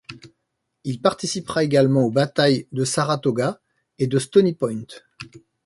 Il participera également aux batailles de Saratoga et de Stony Point.